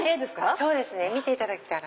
そうですね見ていただけたら。